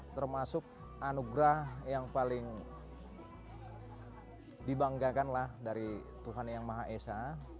termasuk anugerah yang paling dibanggakan lah dari tuhan yang maha esa